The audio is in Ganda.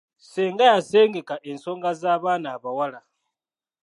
Ssenga y’asengeka ensonga z’abaana abawala.